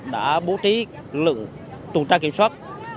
đã bố trí lượng tuần tra kiểm soát